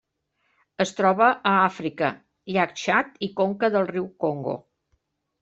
Es troba a Àfrica: llac Txad i conca del riu Congo.